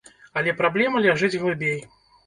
Але праблема ляжыць глыбей.